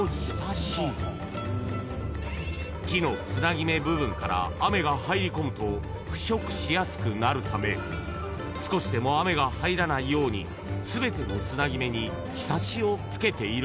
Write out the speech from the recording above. ［木のつなぎ目部分から雨が入り込むと腐食しやすくなるため少しでも雨が入らないように全てのつなぎ目にヒサシを付けているんだそう］